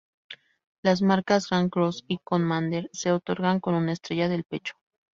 Las marcas Grand Cross y Commander se otorgan con una estrella del pecho.